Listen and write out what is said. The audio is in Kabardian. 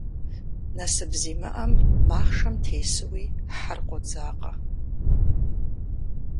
Насып зимыӏэм, махъшэм тесууи, хьэр къодзакъэ.